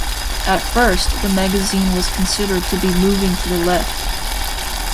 At first, the magazine was considered to be moving to the Left.